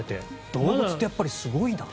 動物ってすごいな。